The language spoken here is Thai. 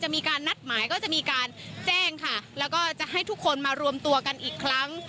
มีการนัดหมายก็จะมีการแจ้งค่ะแล้วก็จะให้ทุกคนมารวมตัวกันอีกครั้ง